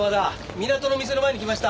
港の店の前に来ました。